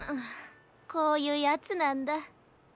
こういうやつなんだ。